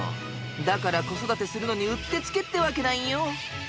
だから子育てするのにうってつけってわけなんよ。